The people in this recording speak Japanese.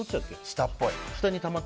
下っぽい。